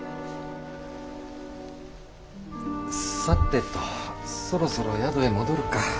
さてとそろそろ宿へ戻るか。